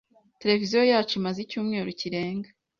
Televiziyo yacu imaze icyumweru kirenga.